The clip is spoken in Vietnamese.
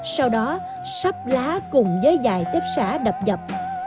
sau đó sắp lá cùng với vài tếp xả đập dập